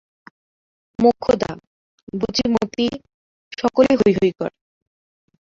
মোক্ষদা, বুচি, মতি সকলেই হৈ হৈ করে।